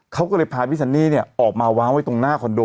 เขาก็เลยพาพี่ซันนี่ออกมาวางไว้ตรงหน้าคอนโด